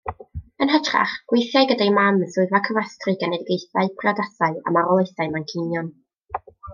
Yn hytrach, gweithiai gyda'i mam yn swyddfa cofrestru genedigaethau, priodasau a marwolaethau Manceinion.